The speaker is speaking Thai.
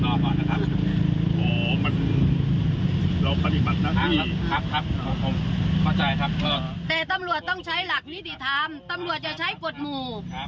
ขอผมขอบใจครับแต่ตำรวจต้องใช้หลักนิดิธรรมตำรวจจะใช้กฎหมู่ครับ